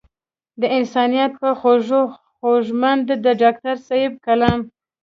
د انسانيت پۀ خوږو خوږمند د ډاکټر صېب کلام